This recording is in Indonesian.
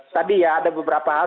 tadi ya ada beberapa hal